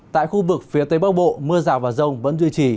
tại khu vực phía tây bắc bộ mưa rào và rông vẫn duy trì